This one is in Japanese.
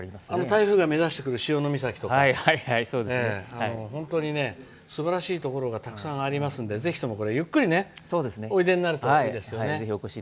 台風が目指してくる潮岬とか本当にすばらしいところがたくさんありますのでぜひともゆっくりおいでになるといいですね。